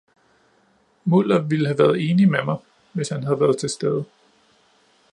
Mulder ville have været enig med mig, hvis han havde været til stede.